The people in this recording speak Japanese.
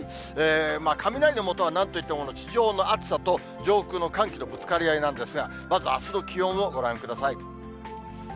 雷のもとはなんといっても地上の暑さと上空の寒気のぶつかり合いなんですが、まず、あすの気温をご覧ください。